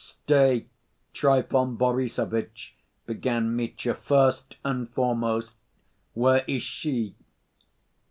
"Stay, Trifon Borissovitch," began Mitya, "first and foremost, where is she?"